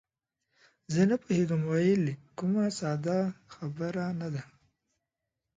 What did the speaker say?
زه نه پوهېږم ویل، کومه ساده خبره نه ده.